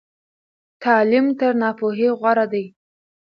تعلیم تر ناپوهۍ غوره دی.